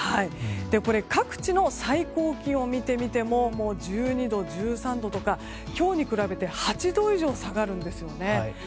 これ各地の最高気温を見てみても１２度、１３度とか今日に比べて８度以上差があるんですよね。